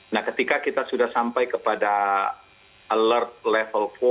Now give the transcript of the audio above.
nah ketika kita sudah sampai kepada alert level empat